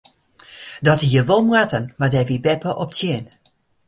Dat hie wol moatten mar dêr wie beppe op tsjin.